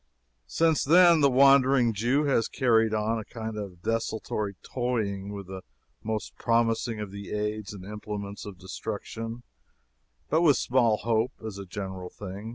Since then the Wandering Jew has carried on a kind of desultory toying with the most promising of the aids and implements of destruction, but with small hope, as a general thing.